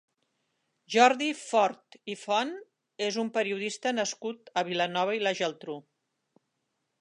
Jordi Fort i Font és un periodista nascut a Vilanova i la Geltrú.